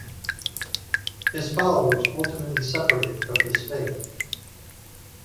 His followers ultimately separated from this faith.